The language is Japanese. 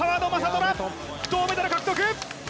虎、銅メダル獲得！